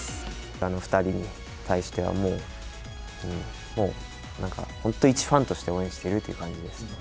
あの２人に対しては、もう、なんか本当、一ファンとして応援しているという感じです。